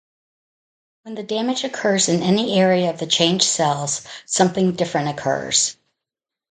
When the damage occurs in any area of changed cells, something different occurs.